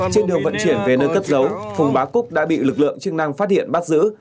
trên đường vận chuyển về nơi cất dấu phùng bá cúc đã bị lực lượng chức năng phát hiện bắt giữ